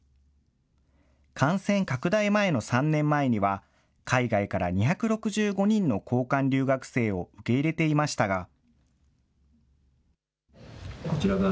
感染拡大前の３年前には、海外から２６５人の交換留学生を受け入れていましたが。